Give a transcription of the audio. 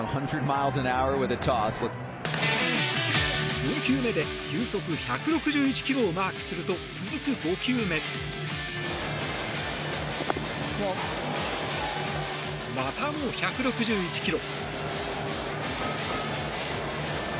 ４球目で球速１６１キロをマークすると続く５球目またも１６１キロ。